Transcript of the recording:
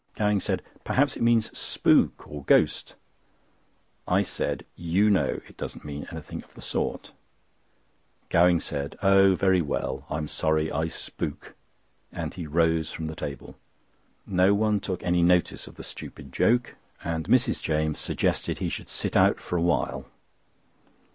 Gowing said: "Perhaps it means 'Spook,' a ghost." I said: "You know it doesn't mean anything of the sort." Gowing said: "Oh! very well—I'm sorry I 'spook,'" and he rose from the table. No one took any notice of the stupid joke, and Mrs. James suggested he should sit out for a while.